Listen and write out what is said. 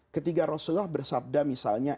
ketiga rasulullah bersabda misalnya